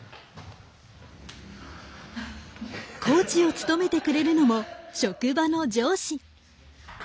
コーチを務めてくれるのも職場の上司。